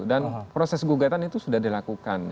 dan proses gugatan itu sudah dilakukan